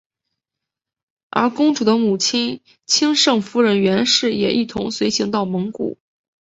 而公主的母亲钦圣夫人袁氏也一同随行到蒙古。